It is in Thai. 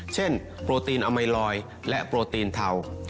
โปรตีนอมัยลอยและโปรตีนเทา